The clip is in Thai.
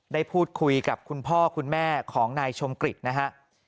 ได้พูดคุยกับคุณพ่อคุณแม่ของนายชมกฤษนะฮะ